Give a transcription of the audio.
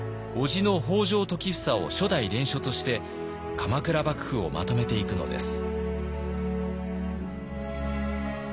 叔父の北条時房を初代連署として鎌倉幕府をまとめていくのです。